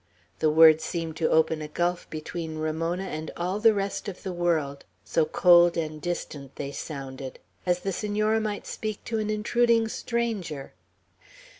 The words seemed to open a gulf between Ramona and all the rest of the world, so cold and distant they sounded, as the Senora might speak to an intruding stranger.